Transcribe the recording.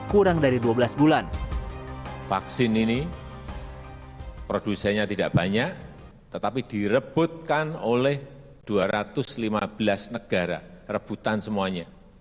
kurang dari dua belas bulan